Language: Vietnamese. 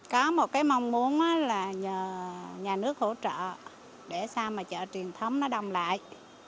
có một cái mong muốn là nhờ nhà nước hỗ trợ để sao mà chợ truyền thống nó đông lại